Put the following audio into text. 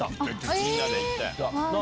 みんなで行った。